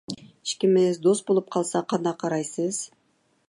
ئىككىمىز دوست بۇلۇپ قالساق قانداق قارايسىز؟